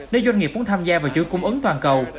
nếu doanh nghiệp muốn tham gia vào chuỗi cung ứng toàn cầu